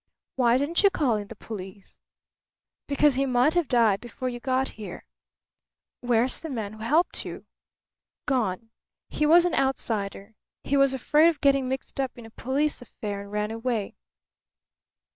"Why didn't you call in the police?" "Because he might have died before you got here." "Where's the man who helped you?" "Gone. He was an outsider. He was afraid of getting mixed up in a police affair and ran away."